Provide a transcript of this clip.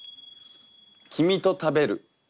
「君と食べる」。